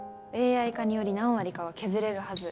ＡＩ化により何割かは削れるはず。